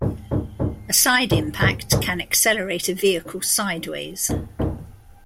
A side impact can accelerate a vehicle sideways.